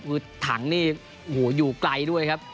คือถังนี่อยู่ไกลด้วยครับ